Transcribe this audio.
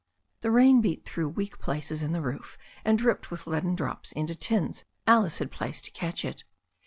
The rain beat through weak places in the roof, and dripped with leaden drops into the tins Alice had placed to catch it.